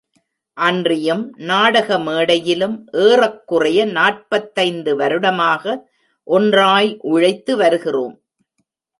அன்றியும் நாடக மேடையிலும் ஏறக்குறைய நாற்பத்தைந்து வருடமாக ஒன்றாய் உழைத்து வருகிறோம்.